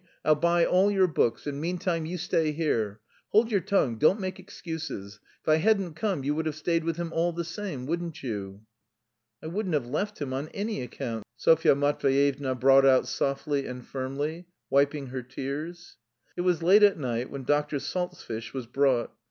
I'll buy all your books, and meantime you stay here. Hold your tongue; don't make excuses. If I hadn't come you would have stayed with him all the same, wouldn't you?" "I wouldn't have left him on any account," Sofya Matveyevna brought out softly and firmly, wiping her tears. It was late at night when Doctor Salzfish was brought.